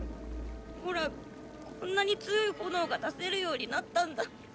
ほらこんなに強い炎が出せるようになったんだ。